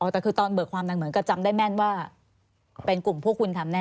อ่อแต่คือตอนเบิกความในศาลก็จะจำแม่นว่าเป็นกลุ่มผู้คุ้นทำแน่